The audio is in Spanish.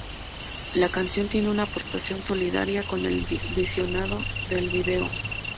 La canción tiene una aportación solidaria con el visionado del vídeo.